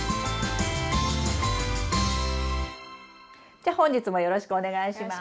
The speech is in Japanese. じゃ本日もよろしくお願いします。